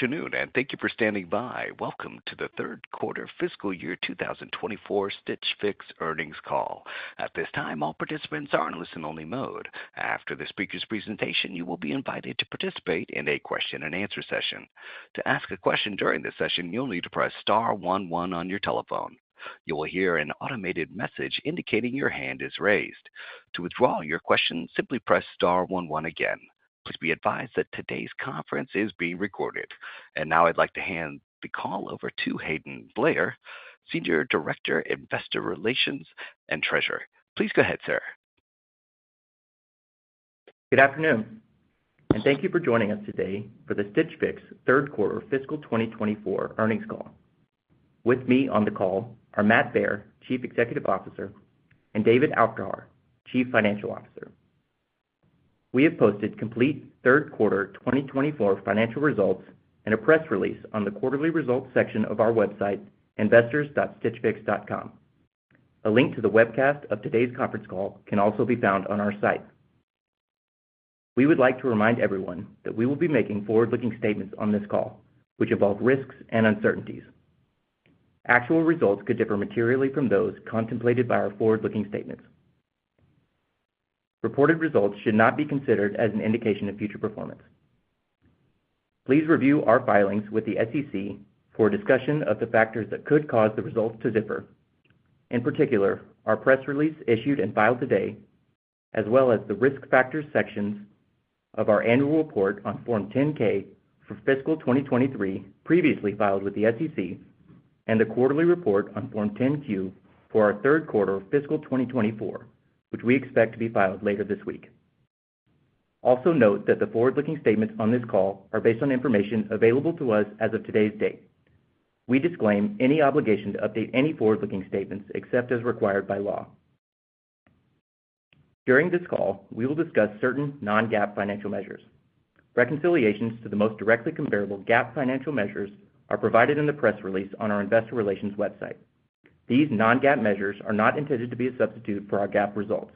Good afternoon, and thank you for standing by. Welcome to the Third Quarter Fiscal Year 2024 Stitch Fix Earnings Call. At this time, all participants are in listen-only mode. After the speaker's presentation, you will be invited to participate in a question-and-answer session. To ask a question during the session, you'll need to press star one one on your telephone. You will hear an automated message indicating your hand is raised. To withdraw your question, simply press star one one again. Please be advised that today's conference is being recorded. Now I'd like to hand the call over to Hayden Blair, Senior Director, Investor Relations and Treasurer. Please go ahead, sir. Good afternoon, and thank you for joining us today for the Stitch Fix Third Quarter Fiscal 2024 Earnings Call. With me on the call are Matt Baer, Chief Executive Officer, and David Aufderhaar, Chief Financial Officer. We have posted complete third quarter 2024 financial results and a press release on the quarterly results section of our website, investors.stitchfix.com. A link to the webcast of today's conference call can also be found on our site. We would like to remind everyone that we will be making forward-looking statements on this call, which involve risks and uncertainties. Actual results could differ materially from those contemplated by our forward-looking statements. Reported results should not be considered as an indication of future performance. Please review our filings with the SEC for a discussion of the factors that could cause the results to differ. In particular, our press release issued and filed today, as well as the Risk Factors sections of our annual report on Form 10-K for fiscal 2023, previously filed with the SEC, and the quarterly report on Form 10-Q for our third quarter of fiscal 2024, which we expect to be filed later this week. Also, note that the forward-looking statements on this call are based on information available to us as of today's date. We disclaim any obligation to update any forward-looking statements except as required by law. During this call, we will discuss certain non-GAAP financial measures. Reconciliations to the most directly comparable GAAP financial measures are provided in the press release on our investor relations website. These non-GAAP measures are not intended to be a substitute for our GAAP results.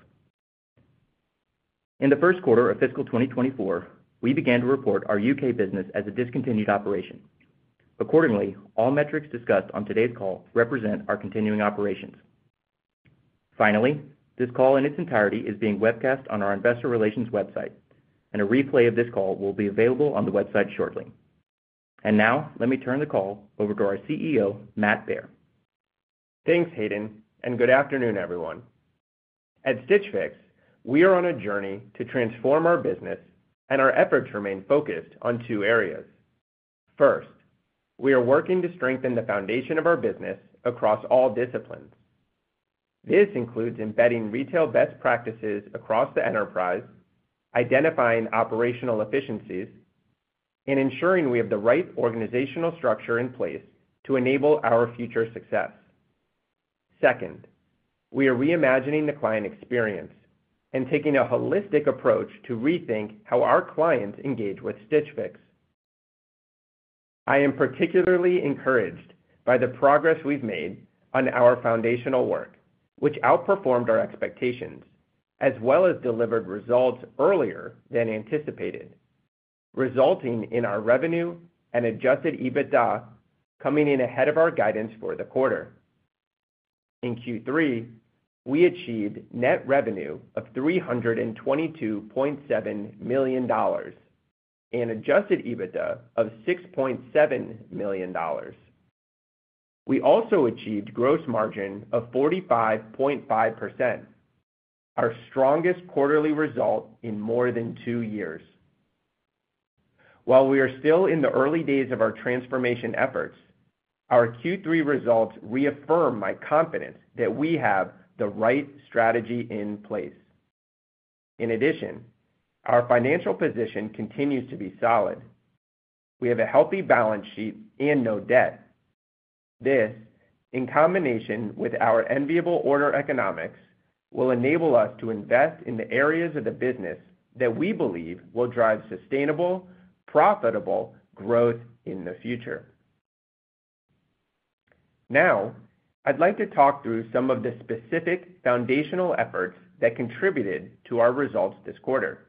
In the first quarter of fiscal 2024, we began to report our U.K. business as a discontinued operation. Accordingly, all metrics discussed on today's call represent our continuing operations. Finally, this call in its entirety is being webcast on our investor relations website, and a replay of this call will be available on the website shortly. And now, let me turn the call over to our CEO, Matt Baer. Thanks, Hayden, and good afternoon, everyone. At Stitch Fix, we are on a journey to transform our business, and our efforts remain focused on two areas. First, we are working to strengthen the foundation of our business across all disciplines. This includes embedding retail best practices across the enterprise, identifying operational efficiencies, and ensuring we have the right organizational structure in place to enable our future success. Second, we are reimagining the client experience and taking a holistic approach to rethink how our clients engage with Stitch Fix. I am particularly encouraged by the progress we've made on our foundational work, which outperformed our expectations, as well as delivered results earlier than anticipated, resulting in our revenue and adjusted EBITDA coming in ahead of our guidance for the quarter. In Q3, we achieved net revenue of $322.7 million and adjusted EBITDA of $6.7 million. We also achieved gross margin of 45.5%, our strongest quarterly result in more than two years. While we are still in the early days of our transformation efforts, our Q3 results reaffirm my confidence that we have the right strategy in place. In addition, our financial position continues to be solid. We have a healthy balance sheet and no debt. This, in combination with our enviable order economics, will enable us to invest in the areas of the business that we believe will drive sustainable, profitable growth in the future. Now, I'd like to talk through some of the specific foundational efforts that contributed to our results this quarter.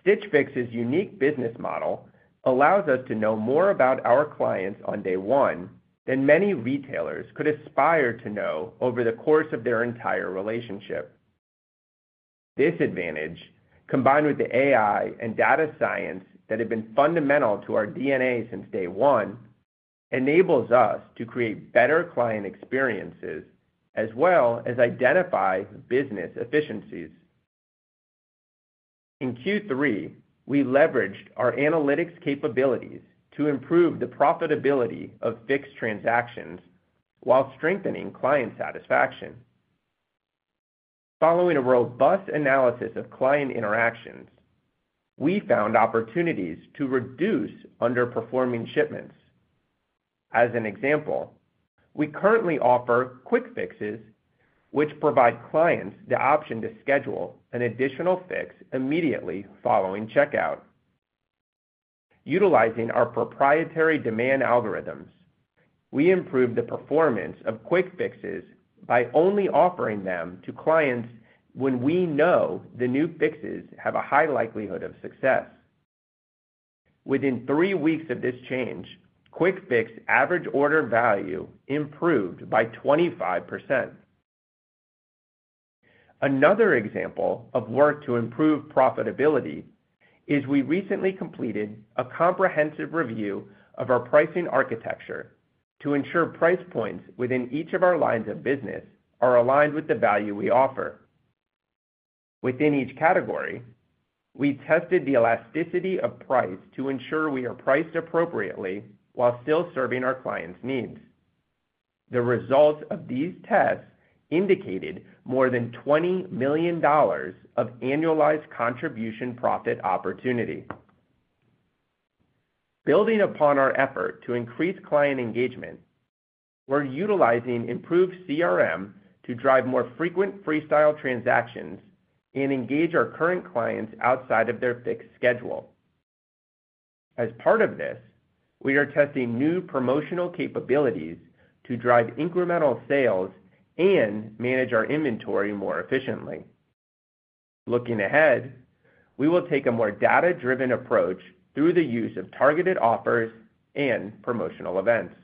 Stitch Fix's unique business model allows us to know more about our clients on day one than many retailers could aspire to know over the course of their entire relationship. This advantage, combined with the AI and data science that have been fundamental to our DNA since day one, enables us to create better client experiences, as well as identify business efficiencies. In Q3, we leveraged our analytics capabilities to improve the profitability of Fix transactions while strengthening client satisfaction. Following a robust analysis of client interactions, we found opportunities to reduce underperforming shipments. As an example, we currently offer Quick Fixes, which provide clients the option to schedule an additional Fix immediately following checkout. Utilizing our proprietary demand algorithms, we improved the performance of Quick Fixes by only offering them to clients when we know the new Fixes have a high likelihood of success. Within three weeks of this change, Quick Fix average order value improved by 25%. Another example of work to improve profitability is we recently completed a comprehensive review of our pricing architecture to ensure price points within each of our lines of business are aligned with the value we offer. Within each category, we tested the elasticity of price to ensure we are priced appropriately while still serving our clients' needs. The results of these tests indicated more than $20 million of annualized contribution profit opportunity. Building upon our effort to increase client engagement, we're utilizing improved CRM to drive more frequent Freestyle transactions and engage our current clients outside of their Fix schedule. As part of this, we are testing new promotional capabilities to drive incremental sales and manage our inventory more efficiently. Looking ahead, we will take a more data-driven approach through the use of targeted offers and promotional events.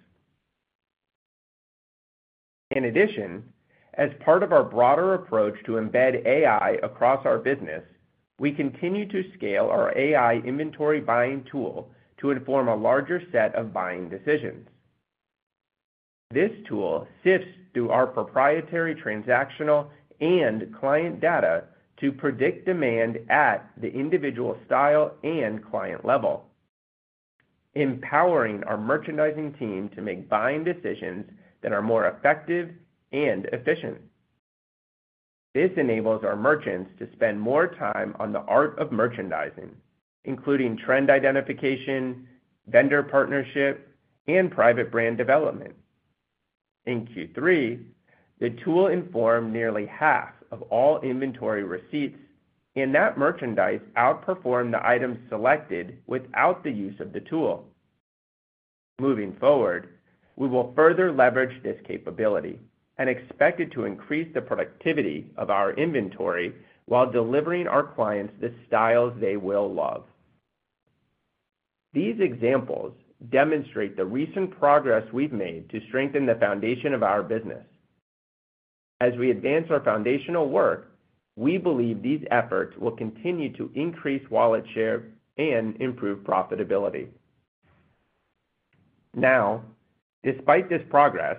In addition, as part of our broader approach to embed AI across our business, we continue to scale our AI inventory buying tool to inform a larger set of buying decisions. This tool sifts through our proprietary transactional and client data to predict demand at the individual style and client level, empowering our merchandising team to make buying decisions that are more effective and efficient. This enables our merchants to spend more time on the art of merchandising, including trend identification, vendor partnership, and private brand development. In Q3, the tool informed nearly half of all inventory receipts, and that merchandise outperformed the items selected without the use of the tool. Moving forward, we will further leverage this capability and expect it to increase the productivity of our inventory while delivering our clients the styles they will love. These examples demonstrate the recent progress we've made to strengthen the foundation of our business. As we advance our foundational work, we believe these efforts will continue to increase wallet share and improve profitability. Now, despite this progress,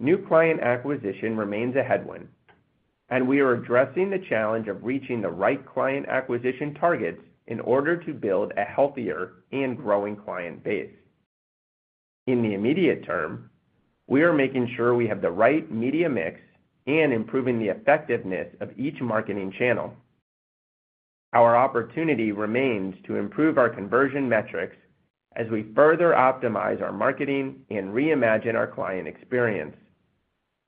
new client acquisition remains a headwind, and we are addressing the challenge of reaching the right client acquisition targets in order to build a healthier and growing client base. In the immediate term, we are making sure we have the right media mix and improving the effectiveness of each marketing channel. Our opportunity remains to improve our conversion metrics as we further optimize our marketing and reimagine our client experience,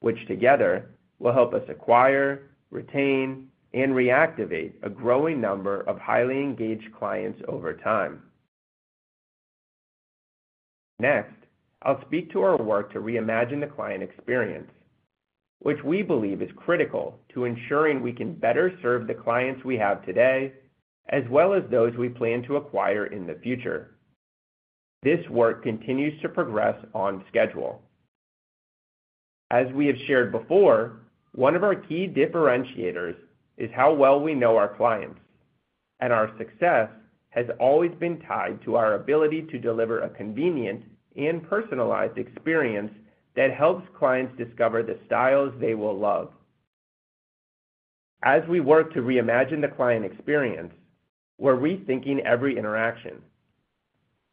which together will help us acquire, retain, and reactivate a growing number of highly engaged clients over time. Next, I'll speak to our work to reimagine the client experience, which we believe is critical to ensuring we can better serve the clients we have today, as well as those we plan to acquire in the future. This work continues to progress on schedule. As we have shared before, one of our key differentiators is how well we know our clients, and our success has always been tied to our ability to deliver a convenient and personalized experience that helps clients discover the styles they will love. As we work to reimagine the client experience, we're rethinking every interaction.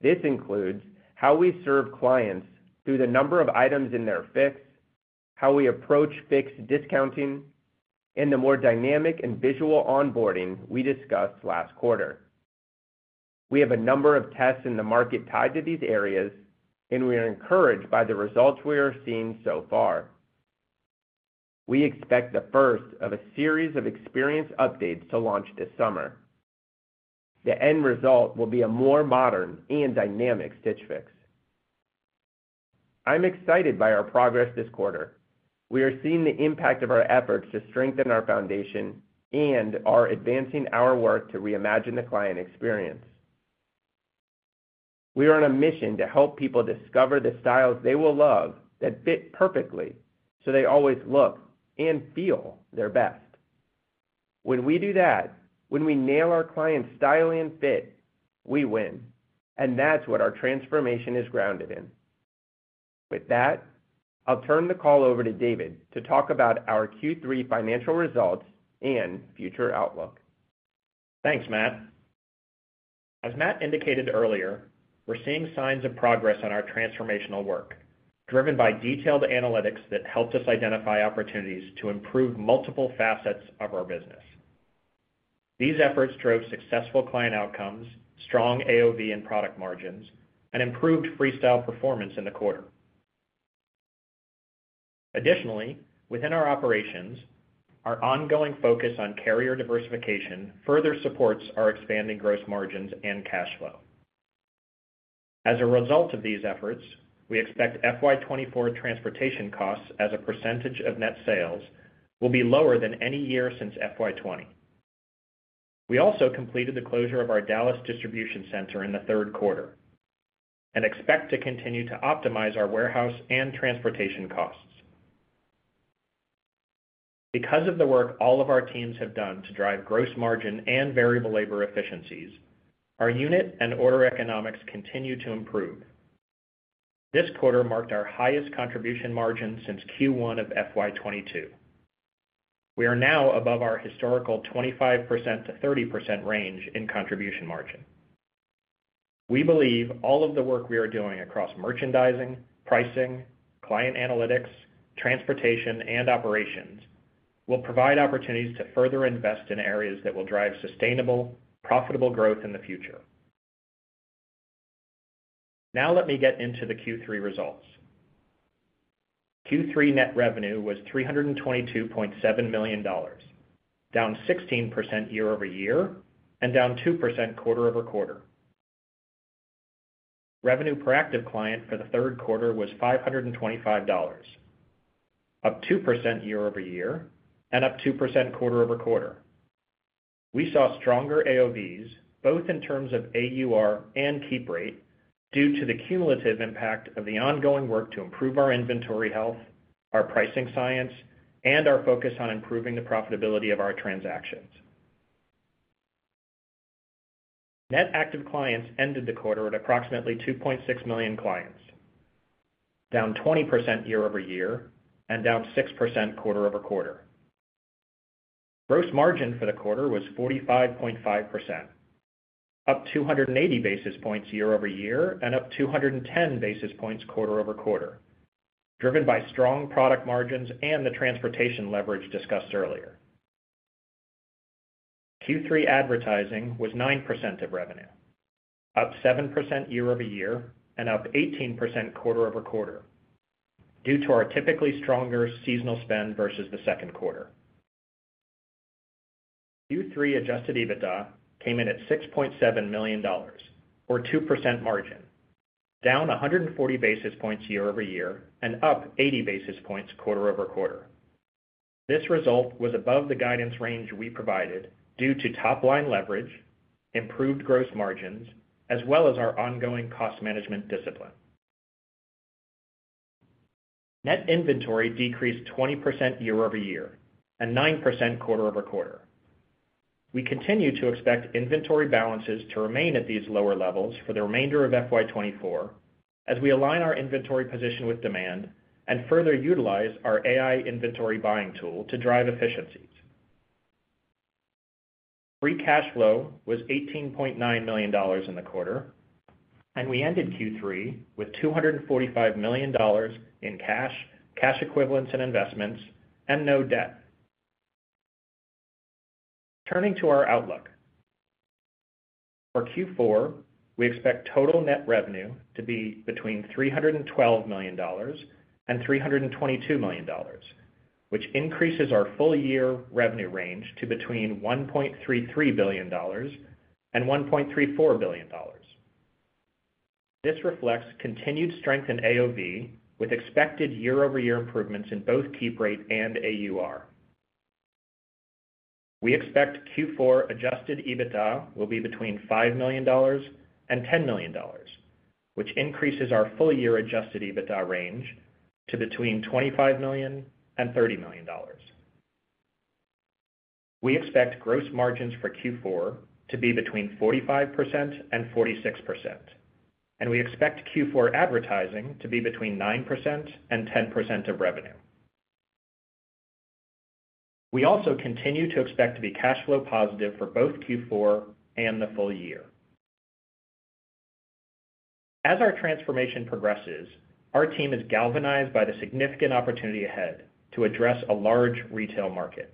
This includes how we serve clients through the number of items in their Fix, how we approach Fix discounting, and the more dynamic and visual onboarding we discussed last quarter. We have a number of tests in the market tied to these areas, and we are encouraged by the results we are seeing so far. We expect the first of a series of experience updates to launch this summer. The end result will be a more modern and dynamic Stitch Fix. I'm excited by our progress this quarter. We are seeing the impact of our efforts to strengthen our foundation and are advancing our work to reimagine the client experience. We are on a mission to help people discover the styles they will love, that fit perfectly, so they always look and feel their best. When we do that, when we nail our clients' style and fit, we win, and that's what our transformation is grounded in. With that, I'll turn the call over to David to talk about our Q3 financial results and future outlook. Thanks, Matt. As Matt indicated earlier, we're seeing signs of progress on our transformational work, driven by detailed analytics that helped us identify opportunities to improve multiple facets of our business. These efforts drove successful client outcomes, strong AOV and product margins, and improved Freestyle performance in the quarter. Additionally, within our operations, our ongoing focus on carrier diversification further supports our expanding gross margins and cash flow. As a result of these efforts, we expect FY 2024 transportation costs as a percentage of net sales will be lower than any year since FY 2020. We also completed the closure of our Dallas distribution center in the third quarter and expect to continue to optimize our warehouse and transportation costs. Because of the work all of our teams have done to drive gross margin and variable labor efficiencies, our unit and order economics continue to improve. This quarter marked our highest contribution margin since Q1 of FY 2022. We are now above our historical 25%-30% range in contribution margin. We believe all of the work we are doing across merchandising, pricing, client analytics, transportation, and operations will provide opportunities to further invest in areas that will drive sustainable, profitable growth in the future. Now let me get into the Q3 results. Q3 net revenue was $322.7 million, down 16% year-over-year and down 2% quarter-over-quarter. Revenue per active client for the third quarter was $525, up 2% year-over-year and up 2% quarter-over-quarter. We saw stronger AOVs, both in terms of AUR and keep rate, due to the cumulative impact of the ongoing work to improve our inventory health, our pricing science, and our focus on improving the profitability of our transactions. Net active clients ended the quarter at approximately 2.6 million clients, down 20% year-over-year and down 6% quarter-over-quarter. Gross margin for the quarter was 45.5%, up 280 basis points year-over-year and up 210 basis points quarter-over-quarter, driven by strong product margins and the transportation leverage discussed earlier. Q3 advertising was 9% of revenue, up 7% year-over-year and up 18% quarter-over-quarter, due to our typically stronger seasonal spend versus the second quarter. Q3 adjusted EBITDA came in at $6.7 million, or 2% margin, down 140 basis points year-over-year and up 80 basis points quarter-over-quarter. This result was above the guidance range we provided due to top-line leverage, improved gross margins, as well as our ongoing cost management discipline. Net inventory decreased 20% year-over-year and 9% quarter-over-quarter. We continue to expect inventory balances to remain at these lower levels for the remainder of FY 2024, as we align our inventory position with demand and further utilize our AI inventory buying tool to drive efficiencies. Free cash flow was $18.9 million in the quarter, and we ended Q3 with $245 million in cash, cash equivalents and investments and no debt. Turning to our outlook. For Q4, we expect total net revenue to be between $312 million and $322 million, which increases our full-year revenue range to between $1.33 billion and $1.34 billion. This reflects continued strength in AOV, with expected year-over-year improvements in both keep rate and AUR. We expect Q4 adjusted EBITDA will be between $5 million and $10 million, which increases our full-year adjusted EBITDA range to between $25 million and $30 million. We expect gross margin for Q4 to be between 45% and 46%, and we expect Q4 advertising to be between 9% and 10% of revenue. We also continue to expect to be cash flow positive for both Q4 and the full year. As our transformation progresses, our team is galvanized by the significant opportunity ahead to address a large retail market.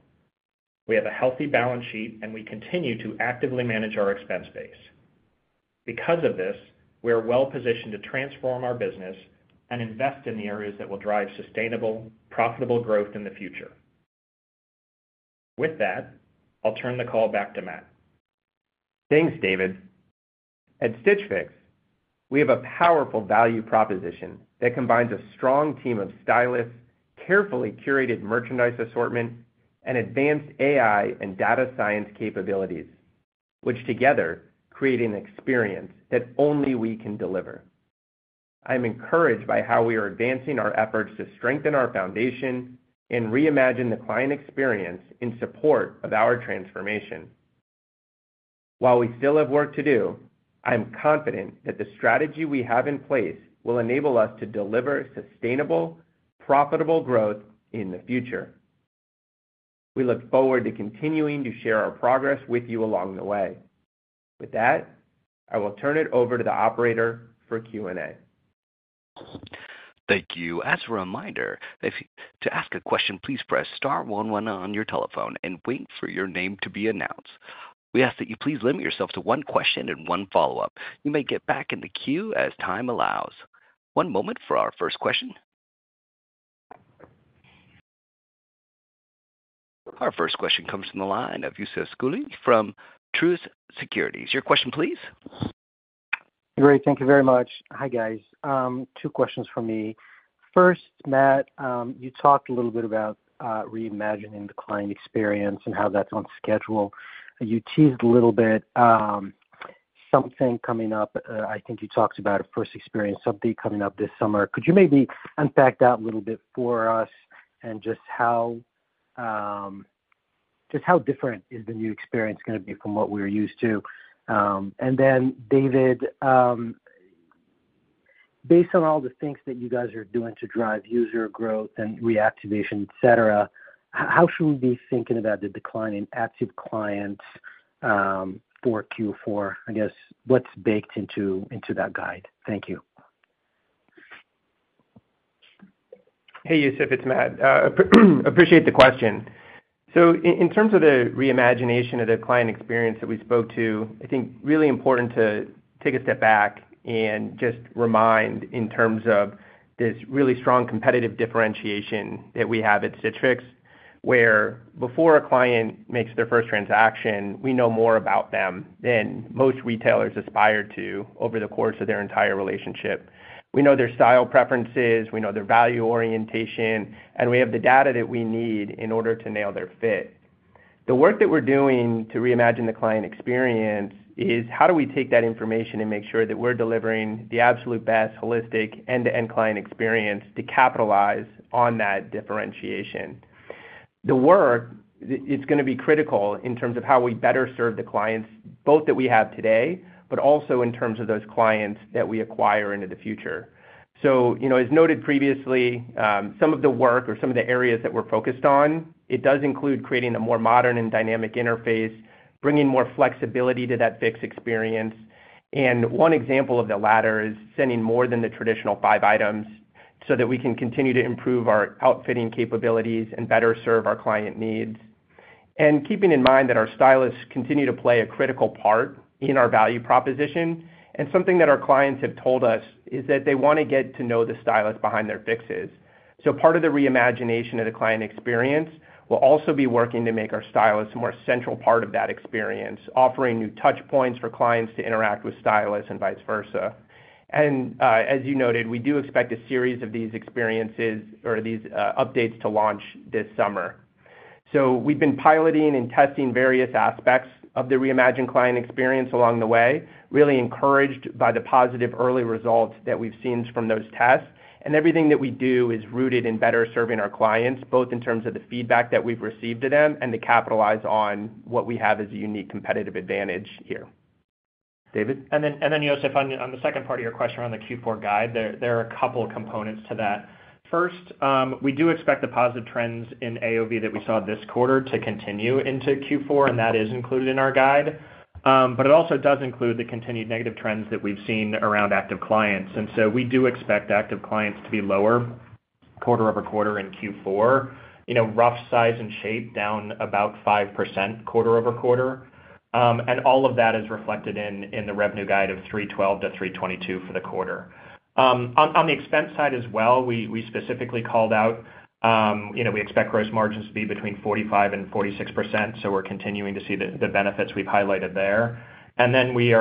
We have a healthy balance sheet, and we continue to actively manage our expense base. Because of this, we are well-positioned to transform our business and invest in the areas that will drive sustainable, profitable growth in the future. With that, I'll turn the call back to Matt. Thanks, David. At Stitch Fix, we have a powerful value proposition that combines a strong team of stylists, carefully curated merchandise assortment, and advanced AI and data science capabilities, which together create an experience that only we can deliver. I'm encouraged by how we are advancing our efforts to strengthen our foundation and reimagine the client experience in support of our transformation. While we still have work to do, I'm confident that the strategy we have in place will enable us to deliver sustainable, profitable growth in the future. We look forward to continuing to share our progress with you along the way. With that, I will turn it over to the operator for Q&A. Thank you. As a reminder, to ask a question, please press star one one on your telephone and wait for your name to be announced. We ask that you please limit yourself to one question and one follow-up. You may get back in the queue as time allows. One moment for our first question. Our first question comes from the line of Youssef Squali from Truist Securities. Your question, please. Great, thank you very much. Hi, guys. Two questions for me. First, Matt, you talked a little bit about reimagining the client experience and how that's on schedule. You teased a little bit, something coming up. I think you talked about a first experience, something coming up this summer. Could you maybe unpack that a little bit for us, and just how, just how different is the new experience going to be from what we're used to? And then, David, based on all the things that you guys are doing to drive user growth and reactivation, et cetera, how should we be thinking about the decline in active clients, for Q4? I guess, what's baked into that guide? Thank you. Hey, Youssef, it's Matt. Appreciate the question. So in terms of the reimagination of the client experience that we spoke to, I think really important to take a step back and just remind in terms of this really strong competitive differentiation that we have at Stitch Fix, where before a client makes their first transaction, we know more about them than most retailers aspire to over the course of their entire relationship. We know their style preferences, we know their value orientation, and we have the data that we need in order to nail their fit. The work that we're doing to reimagine the client experience is: how do we take that information and make sure that we're delivering the absolute best holistic end-to-end client experience to capitalize on that differentiation? The work, it's going to be critical in terms of how we better serve the clients, both that we have today, but also in terms of those clients that we acquire into the future. You know, as noted previously, some of the work or some of the areas that we're focused on, it does include creating a more modern and dynamic interface, bringing more flexibility to that Fix experience. One example of the latter is sending more than the traditional five items so that we can continue to improve our outfitting capabilities and better serve our client needs. Keeping in mind that our stylists continue to play a critical part in our value proposition, and something that our clients have told us is that they want to get to know the stylist behind their Fixes. Part of the reimagination of the client experience will also be working to make our stylists a more central part of that experience, offering new touch points for clients to interact with stylists and vice versa. As you noted, we do expect a series of these experiences or these updates to launch this summer. We've been piloting and testing various aspects of the reimagined client experience along the way, really encouraged by the positive early results that we've seen from those tests. Everything that we do is rooted in better serving our clients, both in terms of the feedback that we've received to them and to capitalize on what we have as a unique competitive advantage here. David? And then, Youssef, on the second part of your question on the Q4 guide, there are a couple of components to that. First, we do expect the positive trends in AOV that we saw this quarter to continue into Q4, and that is included in our guide. But it also does include the continued negative trends that we've seen around active clients. And so we do expect active clients to be lower quarter-over-quarter in Q4, you know, rough size and shape, down about 5% quarter-over-quarter. And all of that is reflected in the revenue guide of $312 million-$322 million for the quarter. On the expense side as well, we specifically called out, you know, we expect gross margins to be between 45% and 46%, so we're continuing to see the benefits we've highlighted there. And then we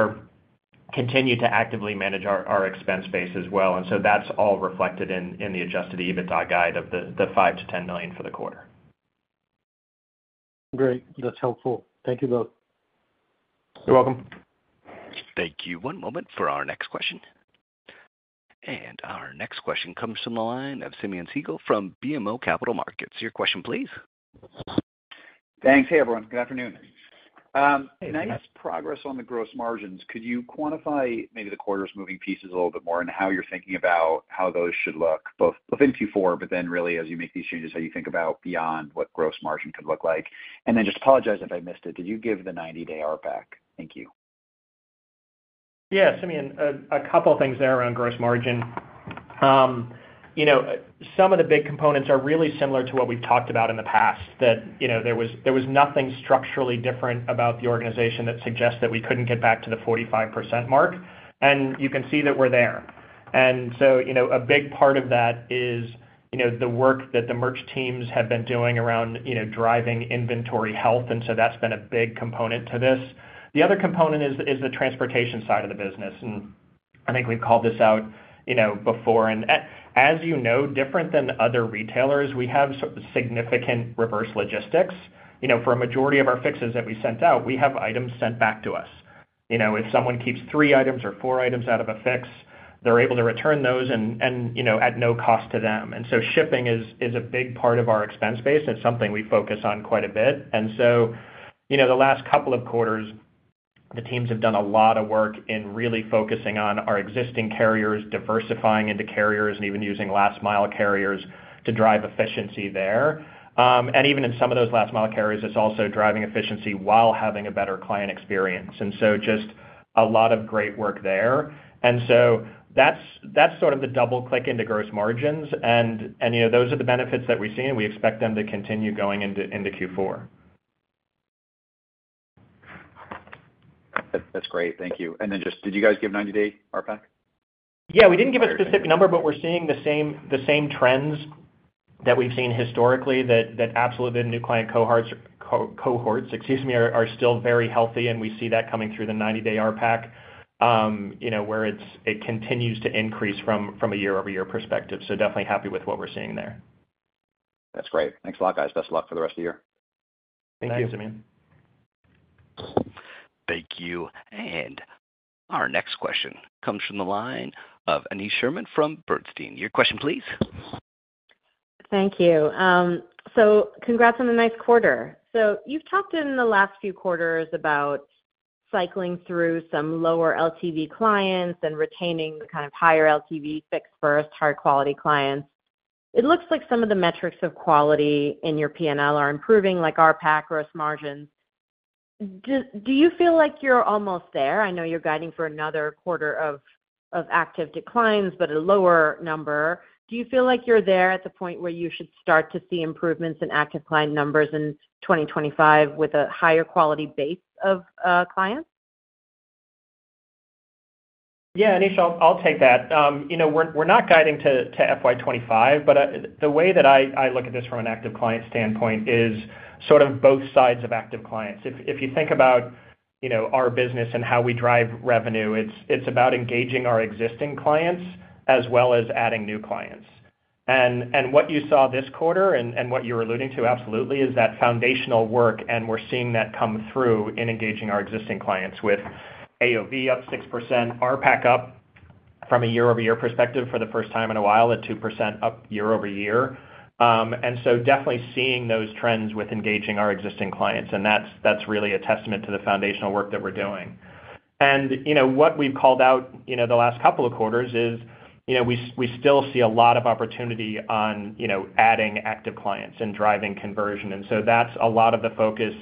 continue to actively manage our expense base as well, and so that's all reflected in the adjusted EBITDA guide of $5 million-$10 million for the quarter. Great. That's helpful. Thank you both. You're welcome. Thank you. One moment for our next question. Our next question comes from the line of Simeon Siegel from BMO Capital Markets. Your question, please. Thanks. Hey, everyone. Good afternoon. Nice progress on the gross margins. Could you quantify maybe the quarters moving pieces a little bit more, and how you're thinking about how those should look, both in Q4, but then really, as you make these changes, how you think about beyond what gross margin could look like? And then just apologize if I missed it, did you give the 90-day outlook? Thank you. Yes, Simeon, a couple of things there around gross margin. You know, some of the big components are really similar to what we've talked about in the past, that, you know, there was, there was nothing structurally different about the organization that suggests that we couldn't get back to the 45% mark, and you can see that we're there. And so, you know, a big part of that is, you know, the work that the merch teams have been doing around, you know, driving inventory health, and so that's been a big component to this. The other component is, is the transportation side of the business, and I think we've called this out, you know, before. And as you know, different than other retailers, we have significant reverse logistics. You know, for a majority of our Fixes that we sent out, we have items sent back to us. You know, if someone keeps three items or four items out of a Fix, they're able to return those and, you know, at no cost to them. And so shipping is a big part of our expense base, and it's something we focus on quite a bit. And so, you know, the last couple of quarters, the teams have done a lot of work in really focusing on our existing carriers, diversifying into carriers, and even using last-mile carriers to drive efficiency there. And even in some of those last-mile carriers, it's also driving efficiency while having a better client experience. And so just a lot of great work there. So that's sort of the double click into gross margins, and you know, those are the benefits that we've seen, and we expect them to continue going into Q4. That's great. Thank you. Then just, did you guys give 90-day RPAC? Yeah, we didn't give a specific number, but we're seeing the same, the same trends that we've seen historically, that absolutely new client cohorts, cohorts, excuse me, are still very healthy, and we see that coming through the 90-day RPAC, you know, where it's—it continues to increase from a year-over-year perspective. So definitely happy with what we're seeing there. That's great. Thanks a lot, guys. Best of luck for the rest of the year. Thanks, Simeon. Thank you. Our next question comes from the line of Aneesha Sherman from Bernstein. Your question, please. Thank you. So congrats on a nice quarter. So you've talked in the last few quarters about cycling through some lower LTV clients and retaining the kind of higher LTV Fix-first high-quality clients. It looks like some of the metrics of quality in your P&L are improving, like our RPAC gross margins. Do you feel like you're almost there? I know you're guiding for another quarter of active declines, but a lower number. Do you feel like you're there at the point where you should start to see improvements in active client numbers in 2025 with a higher quality base of clients? Yeah, Aneesha, I'll, I'll take that. You know, we're, we're not guiding to FY 2025, but the way that I, I look at this from an active client standpoint is sort of both sides of active clients. If, if you think about, you know, our business and how we drive revenue, it's, it's about engaging our existing clients as well as adding new clients. And what you saw this quarter, and what you're alluding to, absolutely, is that foundational work, and we're seeing that come through in engaging our existing clients with AOV up 6%, RPAC up from a year-over-year perspective for the first time in a while, at 2% up year-over-year. And so definitely seeing those trends with engaging our existing clients, and that's, that's really a testament to the foundational work that we're doing. You know, what we've called out, you know, the last couple of quarters is, you know, we still see a lot of opportunity on, you know, adding active clients and driving conversion. So that's a lot of the focus.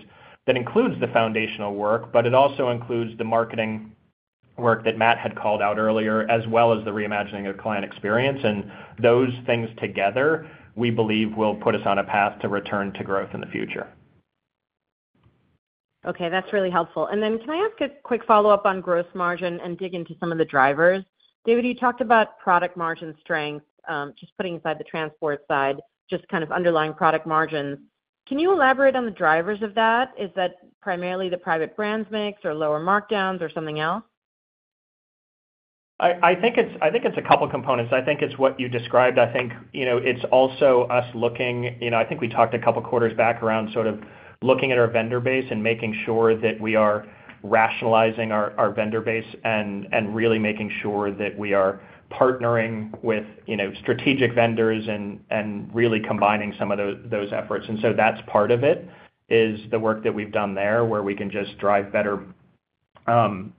That includes the foundational work, but it also includes the marketing work that Matt had called out earlier, as well as the reimagining of client experience. And those things together, we believe, will put us on a path to return to growth in the future. Okay, that's really helpful. And then can I ask a quick follow-up on gross margin and dig into some of the drivers? David, you talked about product margin strength, just putting aside the transport side, just kind of underlying product margins. Can you elaborate on the drivers of that? Is that primarily the private brands mix or lower markdowns or something else? I think it's a couple components. I think it's what you described. I think, you know, it's also us looking. You know, I think we talked a couple of quarters back around sort of looking at our vendor base and making sure that we are rationalizing our vendor base and really making sure that we are partnering with, you know, strategic vendors and really combining some of those efforts. And so that's part of it, is the work that we've done there, where we can just drive better IMUs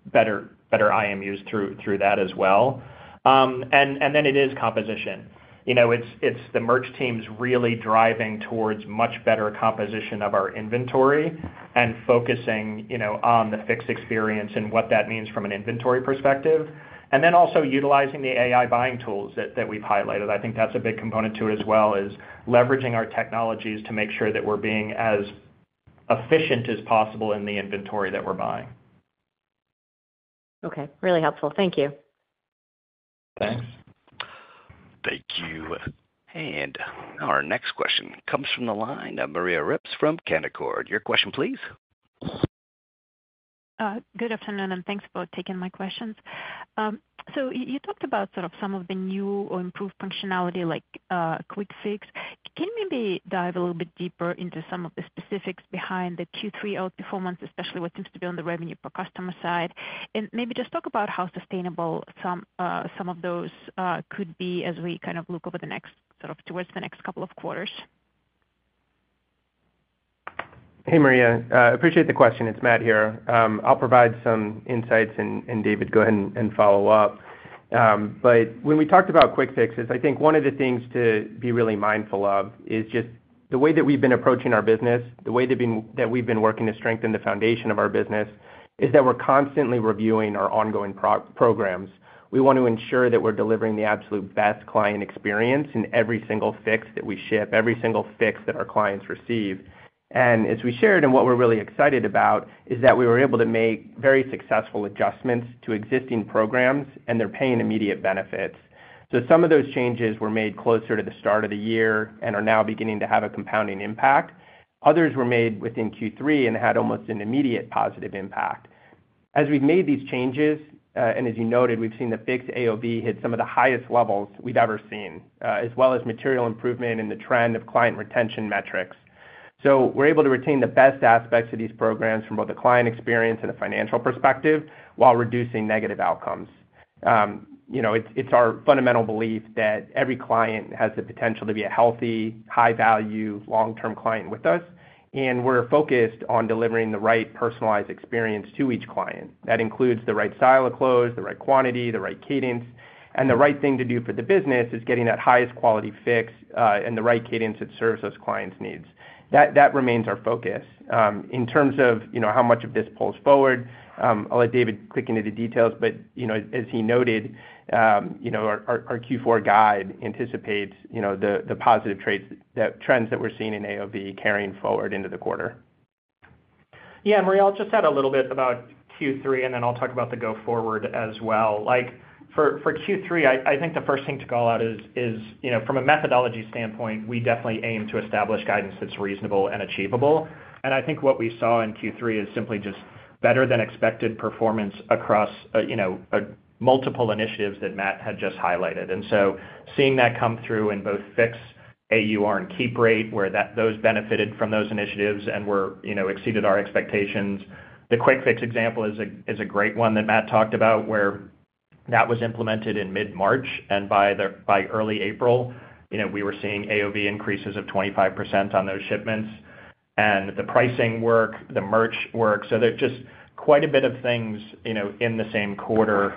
through that as well. And then it is composition. You know, it's the merch teams really driving towards much better composition of our inventory and focusing, you know, on the Fix experience and what that means from an inventory perspective, and then also utilizing the AI buying tools that we've highlighted. I think that's a big component to it as well, is leveraging our technologies to make sure that we're being as efficient as possible in the inventory that we're buying. Okay. Really helpful. Thank you. Thanks. Thank you. Our next question comes from the line of Maria Rips from Canaccord. Your question, please. Good afternoon, and thanks for taking my questions. So you talked about sort of some of the new or improved functionality, like, Quick Fix. Can you maybe dive a little bit deeper into some of the specifics behind the Q3 outperformance, especially what seems to be on the revenue per customer side? And maybe just talk about how sustainable some, some of those, could be as we kind of look over the next, sort of, towards the next couple of quarters. Hey, Maria, appreciate the question. It's Matt here. I'll provide some insights, and David, go ahead and follow up. But when we talked about Quick Fixes, I think one of the things to be really mindful of is just the way that we've been approaching our business, the way that we've been working to strengthen the foundation of our business, is that we're constantly reviewing our ongoing programs. We want to ensure that we're delivering the absolute best client experience in every single Fix that we ship, every single Fix that our clients receive. And as we shared, what we're really excited about, is that we were able to make very successful adjustments to existing programs, and they're paying immediate benefits. So some of those changes were made closer to the start of the year and are now beginning to have a compounding impact. Others were made within Q3 and had almost an immediate positive impact. As we've made these changes, and as you noted, we've seen the Fix AOV hit some of the highest levels we've ever seen, as well as material improvement in the trend of client retention metrics. So we're able to retain the best aspects of these programs from both the client experience and the financial perspective, while reducing negative outcomes. You know, it's our fundamental belief that every client has the potential to be a healthy, high-value, long-term client with us, and we're focused on delivering the right personalized experience to each client. That includes the right style of clothes, the right quantity, the right cadence, and the right thing to do for the business is getting that highest quality Fix, and the right cadence that serves those clients' needs. That remains our focus. In terms of, you know, how much of this pulls forward, I'll let David click into the details, but, you know, as he noted, you know, our Q4 guide anticipates, you know, the positive traits, trends that we're seeing in AOV carrying forward into the quarter. Yeah, Maria, I'll just add a little bit about Q3, and then I'll talk about the go-forward as well. Like, for Q3, I think the first thing to call out is, you know, from a methodology standpoint, we definitely aim to establish guidance that's reasonable and achievable. And I think what we saw in Q3 is simply just better than expected performance across, you know, multiple initiatives that Matt had just highlighted. And so seeing that come through in both Fix AUR, and keep rate, where that, those benefited from those initiatives and were, you know, exceeded our expectations. The Quick Fix example is a great one that Matt talked about, where that was implemented in mid-March, and by early April, you know, we were seeing AOV increases of 25% on those shipments. The pricing work, the merch work, so there's just quite a bit of things, you know, in the same quarter,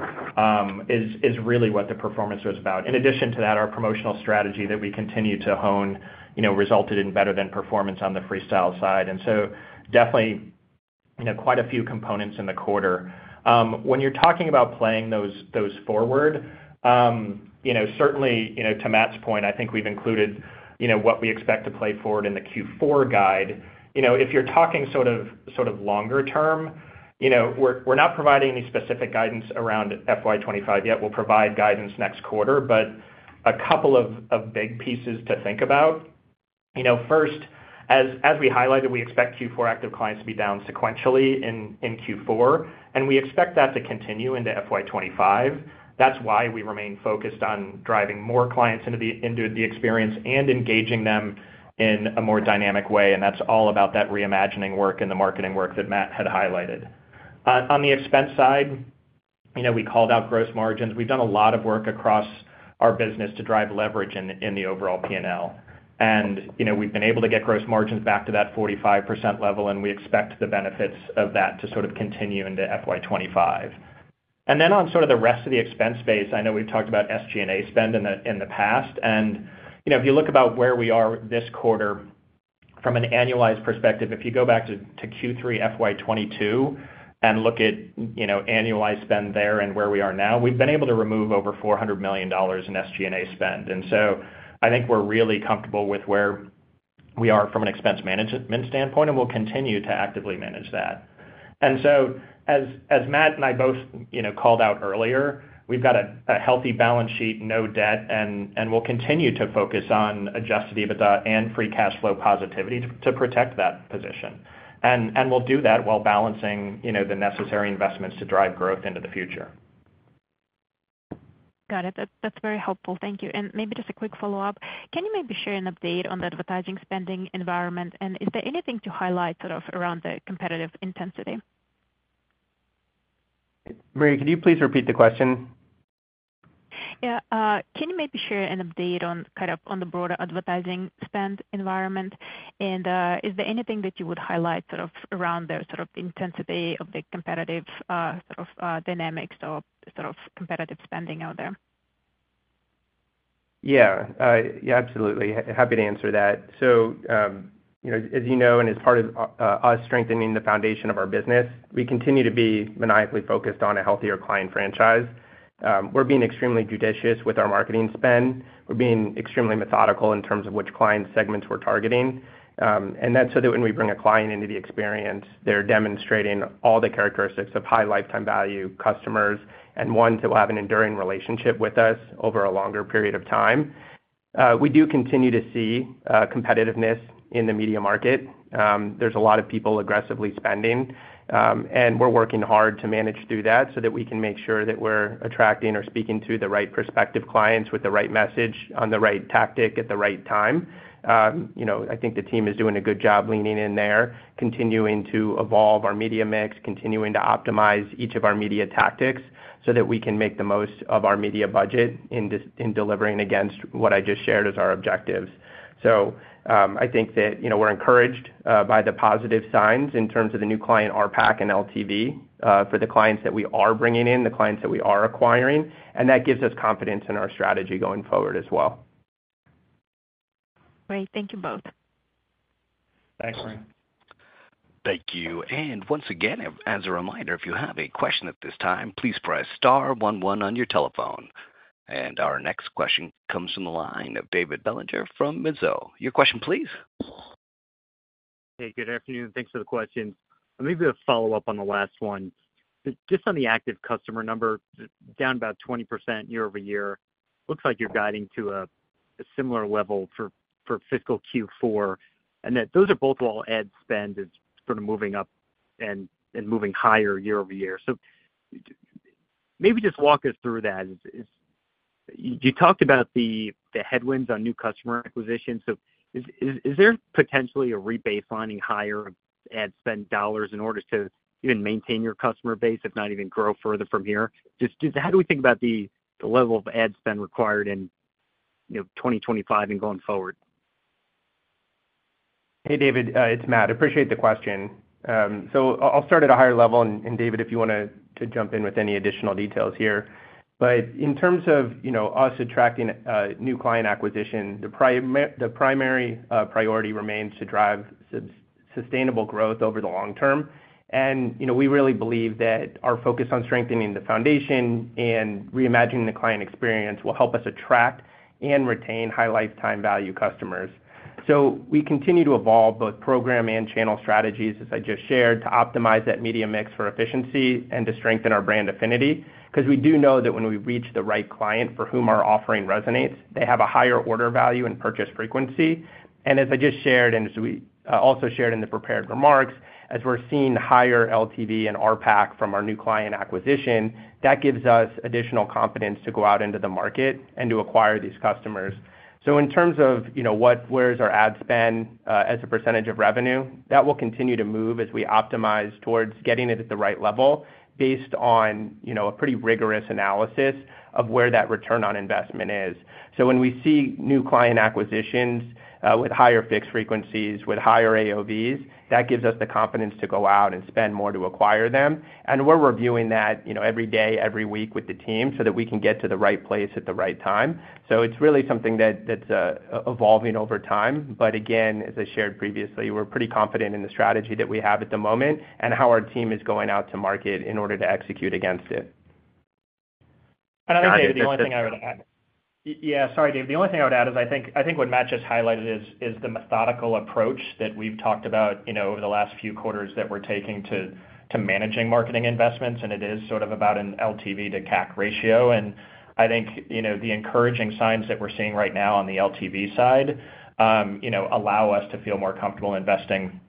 is really what the performance was about. In addition to that, our promotional strategy that we continue to hone, you know, resulted in better than performance on the Freestyle side. And so definitely, you know, quite a few components in the quarter. When you're talking about playing those forward, you know, certainly, you know, to Matt's point, I think we've included, you know, what we expect to play forward in the Q4 guide. You know, if you're talking sort of longer term, you know, we're not providing any specific guidance around FY 2025 yet. We'll provide guidance next quarter, but a couple of big pieces to think about. You know, first, as we highlighted, we expect Q4 active clients to be down sequentially in Q4, and we expect that to continue into FY 2025. That's why we remain focused on driving more clients into the experience and engaging them in a more dynamic way, and that's all about that reimagining work and the marketing work that Matt had highlighted. On the expense side, you know, we called out gross margins. We've done a lot of work across our business to drive leverage in the overall P&L. You know, we've been able to get gross margins back to that 45% level, and we expect the benefits of that to sort of continue into FY 2025. And then on sort of the rest of the expense base, I know we've talked about SG&A spend in the, in the past, and, you know, if you look about where we are this quarter, from an annualized perspective, if you go back to, to Q3 FY 2022 and look at, you know, annualized spend there and where we are now, we've been able to remove over $400 million in SG&A spend. And so I think we're really comfortable with where we are from an expense management standpoint, and we'll continue to actively manage that. And so, as, as Matt and I both, you know, called out earlier, we've got a, a healthy balance sheet, no debt, and, and we'll continue to focus on adjusted EBITDA and free cash flow positivity to, to protect that position. We'll do that while balancing, you know, the necessary investments to drive growth into the future. Got it. That's very helpful. Thank you. Maybe just a quick follow-up. Can you maybe share an update on the advertising spending environment, and is there anything to highlight sort of around the competitive intensity? Maria, could you please repeat the question? Yeah, can you maybe share an update on kind of on the broader advertising spend environment? And, is there anything that you would highlight sort of around the sort of intensity of the competitive, sort of, dynamics or sort of competitive spending out there? Yeah. Yeah, absolutely. Happy to answer that. So, you know, as you know, and as part of us strengthening the foundation of our business, we continue to be maniacally focused on a healthier client franchise. We're being extremely judicious with our marketing spend. We're being extremely methodical in terms of which client segments we're targeting. And that's so that when we bring a client into the experience, they're demonstrating all the characteristics of high lifetime value customers and ones who will have an enduring relationship with us over a longer period of time. We do continue to see competitiveness in the media market. There's a lot of people aggressively spending, and we're working hard to manage through that, so that we can make sure that we're attracting or speaking to the right prospective clients with the right message, on the right tactic, at the right time. You know, I think the team is doing a good job leaning in there, continuing to evolve our media mix, continuing to optimize each of our media tactics, so that we can make the most of our media budget in delivering against what I just shared as our objectives. So, I think that, you know, we're encouraged by the positive signs in terms of the new client RPAC, and LTV, for the clients that we are bringing in, the clients that we are acquiring, and that gives us confidence in our strategy going forward as well. Great. Thank you both. Thanks, Maria. Thank you. And once again, as a reminder, if you have a question at this time, please press star one one on your telephone. And our next question comes from the line of David Bellinger from Mizuho. Your question please. Hey, good afternoon, and thanks for the questions. Maybe a follow-up on the last one. Just on the active customer number, down about 20% year-over-year. Looks like you're guiding to a similar level for fiscal Q4, and that those are both while ad spend is sort of moving up and moving higher year-over-year. So maybe just walk us through that. You talked about the headwinds on new customer acquisition, so is there potentially a rebaselining higher ad spend dollars in order to even maintain your customer base, if not even grow further from here? Just how do we think about the level of ad spend required in, you know, 2025 and going forward? Hey, David, it's Matt. Appreciate the question. So I'll start at a higher level, and David, if you want to jump in with any additional details here. But in terms of, you know, us attracting new client acquisition, the primary priority remains to drive sustainable growth over the long term. And, you know, we really believe that our focus on strengthening the foundation and reimagining the client experience will help us attract and retain high lifetime value customers. So we continue to evolve both program and channel strategies, as I just shared, to optimize that media mix for efficiency and to strengthen our brand affinity. Because we do know that when we reach the right client for whom our offering resonates, they have a higher order value and purchase frequency. And as I just shared, and as we also shared in the prepared remarks, as we're seeing higher LTV and RPAC from our new client acquisition, that gives us additional confidence to go out into the market and to acquire these customers. So in terms of, you know, where is our ad spend as a percentage of revenue, that will continue to move as we optimize towards getting it at the right level, based on, you know, a pretty rigorous analysis of where that return on investment is. So when we see new client acquisitions with higher Fix frequencies, with higher AOVs, that gives us the confidence to go out and spend more to acquire them. And we're reviewing that, you know, every day, every week with the team, so that we can get to the right place at the right time. So it's really something that's evolving over time. But again, as I shared previously, we're pretty confident in the strategy that we have at the moment and how our team is going out to market in order to execute against it. And I think, David, the only thing I would add... Yeah, sorry, David, the only thing I would add is I think what Matt just highlighted is the methodical approach that we've talked about, you know, over the last few quarters that we're taking to managing marketing investments, and it is sort of about an LTV to CAC ratio. And I think, you know, the encouraging signs that we're seeing right now on the LTV side, you know, allow us to feel more comfortable investing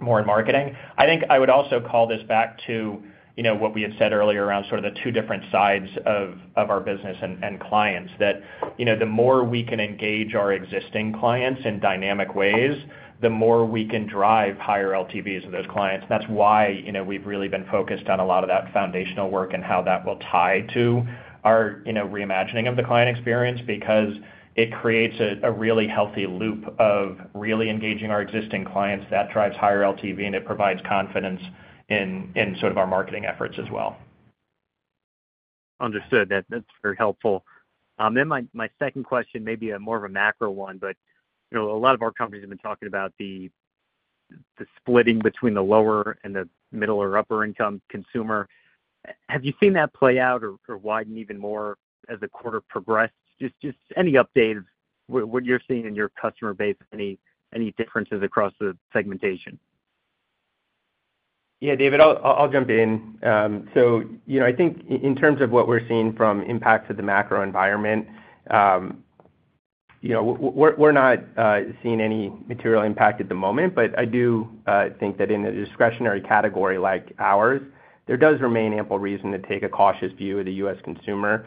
more in marketing. I think I would also call this back to, you know, what we had said earlier around sort of the two different sides of our business and clients, that, you know, the more we can engage our existing clients in dynamic ways, the more we can drive higher LTVs of those clients. That's why, you know, we've really been focused on a lot of that foundational work and how that will tie to our, you know, reimagining of the client experience, because it creates a really healthy loop of really engaging our existing clients. That drives higher LTV, and it provides confidence in sort of our marketing efforts as well. Understood. That, that's very helpful. Then my second question may be a more of a macro one, but, you know, a lot of our companies have been talking about the splitting between the lower and the middle or upper income consumer. Have you seen that play out or widen even more as the quarter progressed? Just any update of what you're seeing in your customer base, any differences across the segmentation? Yeah, David, I'll jump in. So, you know, I think in terms of what we're seeing from impact to the macro environment, you know, we're not seeing any material impact at the moment, but I do think that in a discretionary category like ours, there does remain ample reason to take a cautious view of the U.S. consumer.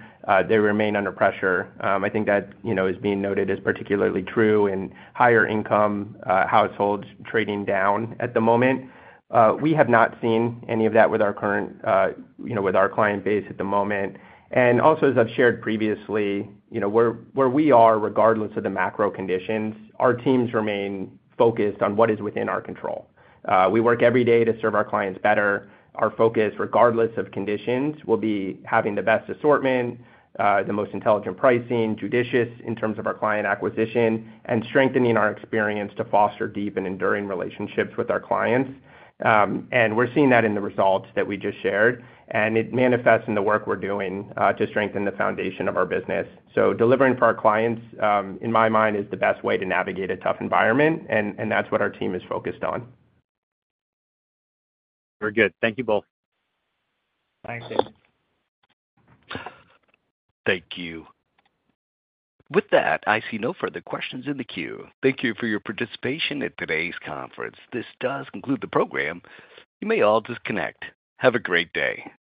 They remain under pressure. I think that, you know, is being noted as particularly true in higher-income households trading down at the moment. We have not seen any of that with our current, you know, with our client base at the moment. And also, as I've shared previously, you know, where we are, regardless of the macro conditions, our teams remain focused on what is within our control. We work every day to serve our clients better. Our focus, regardless of conditions, will be having the best assortment, the most intelligent pricing, judicious in terms of our client acquisition, and strengthening our experience to foster deep and enduring relationships with our clients. And we're seeing that in the results that we just shared, and it manifests in the work we're doing, to strengthen the foundation of our business. So delivering for our clients, in my mind, is the best way to navigate a tough environment, and that's what our team is focused on. Very good. Thank you both. Thanks, David. Thank you. With that, I see no further questions in the queue. Thank you for your participation in today's conference. This does conclude the program. You may all disconnect. Have a great day.